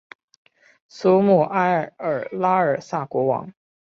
苏穆埃尔拉尔萨国王。